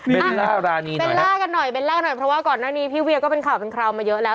รานีเบลล่ากันหน่อยเบลล่าหน่อยเพราะว่าก่อนหน้านี้พี่เวียก็เป็นข่าวเป็นคราวมาเยอะแล้ว